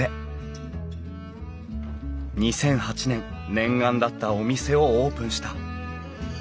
２００８年念願だったお店をオープンした。